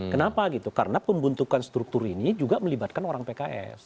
kenapa gitu karena pembentukan struktur ini juga melibatkan orang pks